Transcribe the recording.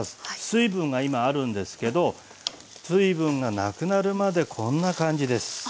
水分が今あるんですけど水分がなくなるまでこんな感じです。